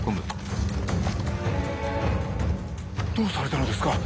どうされたのですか？